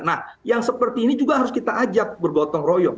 nah yang seperti ini juga harus kita ajak bergotong royong